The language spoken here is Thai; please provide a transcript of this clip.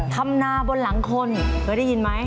ทำนาบนหลังคนเคยได้ยินไหม